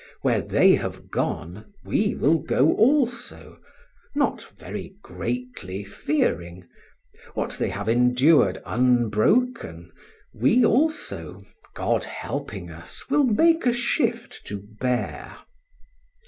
Where they have gone, we will go also, not very greatly fearing; what they have endured unbroken, we also, God helping us, will make a shift to bear.